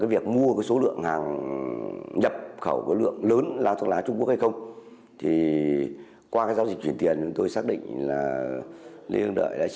thì việc mua bán hàng hóa đều phải có giao dịch chuyển tiền thông qua bên thứ ba